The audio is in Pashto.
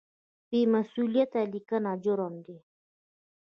بې مسؤلیته لیکنه جرم دی.